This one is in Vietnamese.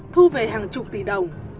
thu về hàng chục tỷ đồng